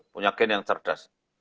punya gen yang cerdas